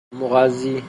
مغذی